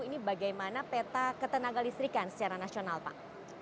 ini bagaimana peta ketenaga listrikan secara nasional pak